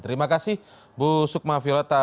terima kasih bu sukma violeta